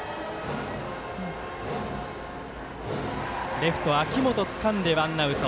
レフト秋元つかんで、ワンアウト。